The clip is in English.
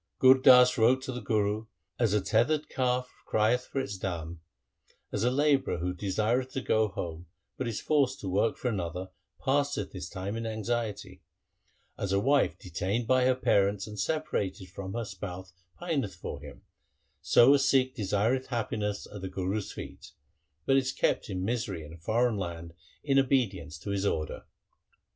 Gur Das wrote to the Guru, ' As a tethered calf crieth for its dam ; as a labourer who desireth to go home, but is forced to work for another, passeth his time in anxiety ; as a wife detained by her parents and separated from her spouse pineth for him, so a Sikh desireth happiness at the Guru's feet, but is kept in misery in a foreign land in obedience to his order.'